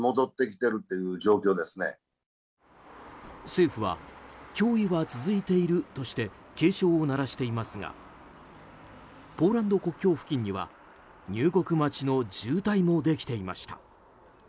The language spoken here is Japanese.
政府は脅威は続いているとして警鐘を鳴らしていますがポーランド国境付近には入国待ちの渋滞もできていました。